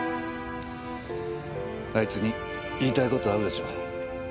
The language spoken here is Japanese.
あいつに言いたい事あるでしょ。